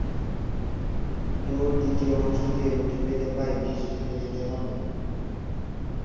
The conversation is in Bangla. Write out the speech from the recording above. ডোর দ্বিতীয় অংশ দিয়ে রুটি বেলে পাই ডিশ ঢেকে দিতে হবে।